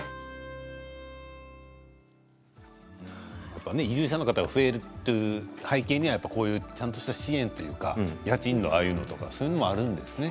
やっぱり移住者の方が増える背景にはこういったちゃんとした支援というか家賃というのもあるんですね。